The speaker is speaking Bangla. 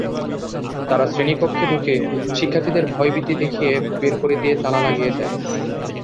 তারা শ্রেণীকক্ষে ঢুকে শিক্ষার্থীদের ভয়-ভীতি দেখিয়ে বের করে দিয়ে তালা লাগিয়ে দেয়।